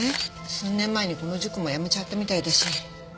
数年前にこの塾もやめちゃったみたいだし。